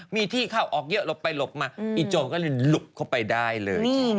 มีที่เข้าออกเยอะหลบไปหลบมาอีโจรก็เลยหลุบเข้าไปได้เลย